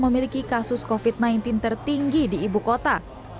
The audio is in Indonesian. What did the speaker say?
memiliki kasus covid sembilan belas tertinggi di ibu kota